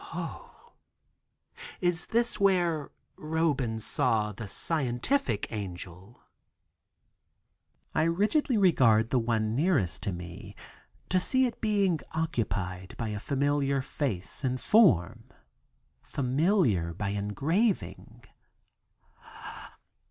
"O, is this where Roban saw the scientific angel?" I rigidly regard the one nearest to me to see it being occupied by a familiar face and form. (Familiar by engraving).